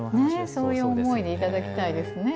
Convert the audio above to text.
そういう思いでいただきたいですね。